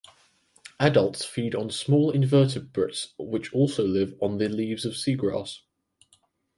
Adults feed on small invertebrates which also live on the leaves of seagrass.